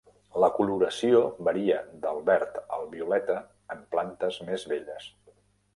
La coloració varia del verd al violeta en plantes més velles.